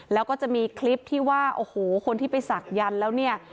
แล้วก็จะมีคลิปที่ว่าโอ้โหคนที่ไปศักยันต์แล้วเนี่ย